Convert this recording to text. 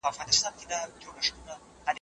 زه به سبا د يادښتونه بشپړ وکړم